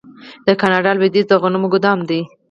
د کاناډا لویدیځ د غنمو ګدام دی.